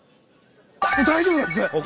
大丈夫だって。